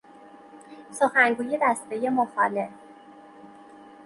سخنگوی دستهی مخالف